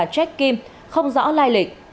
jack kim không rõ lai lịch